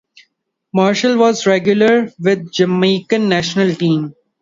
Marshall was a regular with the Jamaican national team.